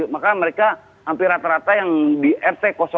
maka mereka hampir rata rata yang di rt satu